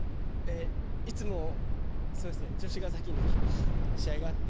いつも女子が先に試合があって